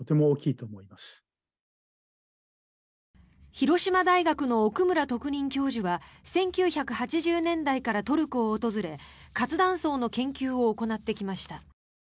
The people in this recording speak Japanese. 広島大学の奥村特任教授は１９８０年代からトルコを訪れ活断層の研究を行ってきました。